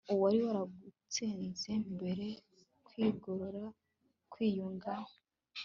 uwari waragutsinze mbere.kwigorora kwiyunga